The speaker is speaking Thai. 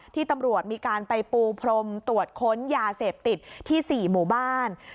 ที่ตำรวจมีการไปปูพรมตรวจค้นยาเสพติดที่๔หมู่บ้าน